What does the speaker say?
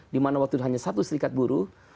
dimana waktu itu hanya satu serikat buruh